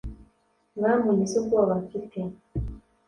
mwami unkize ubwoba mfite!»